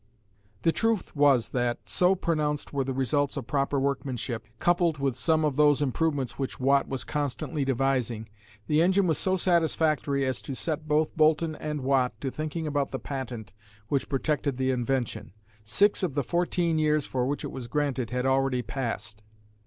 The truth was that, so pronounced were the results of proper workmanship, coupled with some of those improvements which Watt was constantly devising, the engine was so satisfactory as to set both Boulton and Watt to thinking about the patent which protected the invention. Six of the fourteen years for which it was granted had already passed.